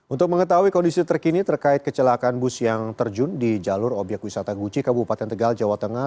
untuk mengetahui kondisi terkini terkait kecelakaan bus yang terjun di jalur obyek wisata guci kabupaten tegal jawa tengah